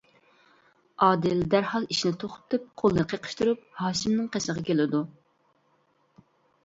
ئادىل دەرھال ئىشىنى توختىتىپ قولىنى قېقىشتۇرۇپ ھاشىمنىڭ قېشىغا كېلىدۇ.